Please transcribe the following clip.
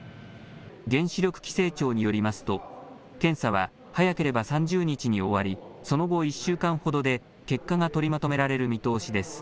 原子力規制庁によりますと、検査は早ければ３０日に終わり、その後、１週間ほどで結果が取りまとめられる見通しです。